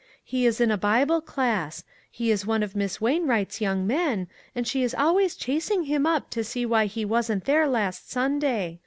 He is in a Bible class ; is one of Miss Wainwright's young men, and she is always chasing him up to see why he wasn't there last Sunday.